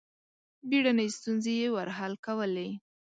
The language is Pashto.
بېړنۍ ستونزې یې ور حل کولې.